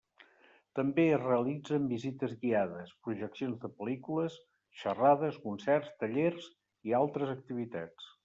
També es realitzen visites guiades, projeccions de pel·lícules, xerrades, concerts, tallers i altres activitats.